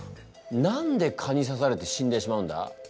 何で蚊に刺されて死んでしまうんだ？